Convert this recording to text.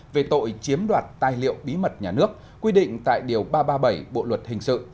về tội chiếm đoạt tài liệu bí mật nhà nước quy định tại điều ba trăm ba mươi bảy bộ luật hình sự